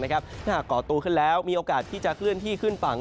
ถ้าหากก่อตัวขึ้นแล้วมีโอกาสที่จะเคลื่อนที่ขึ้นฝั่ง